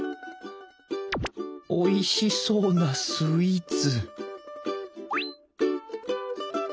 おいしそうなスイーツ！